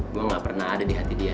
gue gak pernah ada di hati dia